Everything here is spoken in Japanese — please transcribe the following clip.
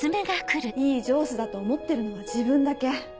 いい上司だと思ってるのは自分だけ。